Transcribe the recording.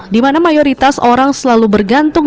di mana mayoritas orang selalu bergantung